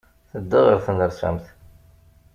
Tedda ɣer tnersamt.